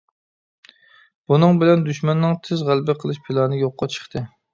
بۇنىڭ بىلەن دۈشمەننىڭ تىز غەلىبە قىلىش پىلانى يوققا چىقتى.